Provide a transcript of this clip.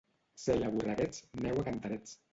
Cel a borreguets, neu a canterets.